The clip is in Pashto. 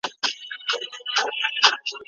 زه باید په خپل وخت لمونځ اداء کړم.